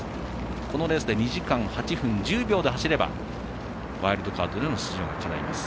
このレースで２時間８分１０秒で走ればワイルドカードでの出場がかないます。